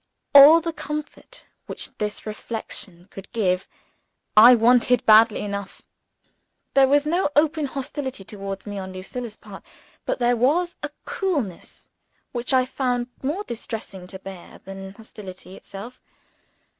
All the comfort which this reflection could give, I wanted badly enough. There was no open hostility towards me on Lucilla's part but there was a coolness which I found more distressing to bear than hostility itself.